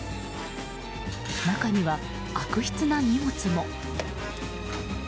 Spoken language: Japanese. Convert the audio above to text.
中には、悪質な荷物も。